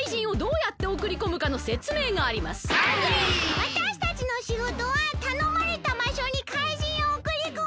わたしたちのしごとはたのまれたばしょに怪人をおくりこむことです。